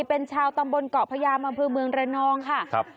เป็นชาวตำบลเกาะพยามอำเภอเมืองระนองค่ะครับ